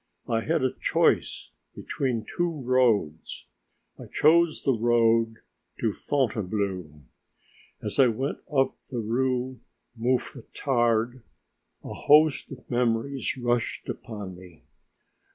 I had a choice between two roads. I chose the road to Fontainebleau. As I went up the Rue Mouffetard, a host of memories rushed upon me.